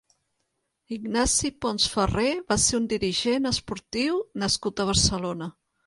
Ignasi Pons Ferrer va ser un dirigent esportiu nascut a Barcelona.